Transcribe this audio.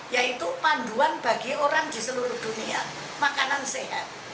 yaitu panduan bagi orang di seluruh dunia makanan sehat